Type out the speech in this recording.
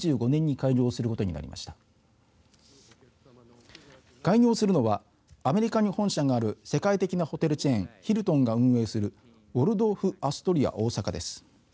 開業するのはアメリカに本社がある世界的なホテルチェーンヒルトンが運営するウォルドーフ・アストリア大阪です。